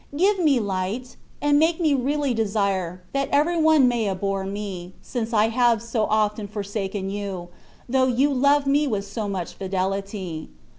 Give me light, and make me really desire, that every one may abhor me, since I have so often forsaken You, though You loved me with so much fidelity.